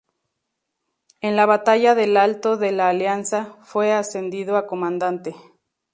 En la Batalla del Alto de la Alianza, fue ascendido a comandante.